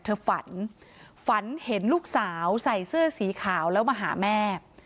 เธอฝันฝันเห็นลูกสาวใส่เสื้อสีขาวแล้วมาหาแม่